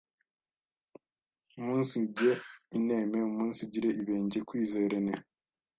umunsijye ineme, umunsigire ibenge, kwizerene,